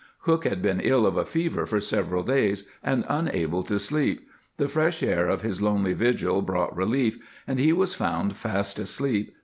Cook had been ill of a fever for several days and unable to sleep ; the fresh air of his lonely vigil brought relief, and he was found fast asleep, standing at IE.